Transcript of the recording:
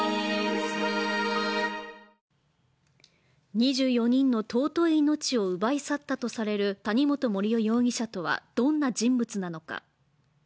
２４人の尊い命を奪い去ったとされる谷本盛雄容疑者とは、どんな人物なのか。